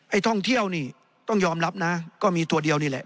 ท่องเที่ยวนี่ต้องยอมรับนะก็มีตัวเดียวนี่แหละ